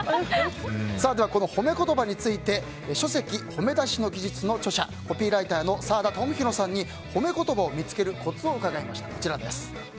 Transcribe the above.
この褒め言葉について書籍「ホメ出しの技術」の著者コピーライターの澤田智洋さんに褒め言葉を見つけるコツを伺いました。